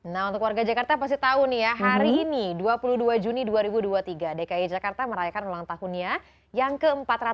nah untuk warga jakarta pasti tahu nih ya hari ini dua puluh dua juni dua ribu dua puluh tiga dki jakarta merayakan ulang tahunnya yang ke empat ratus dua puluh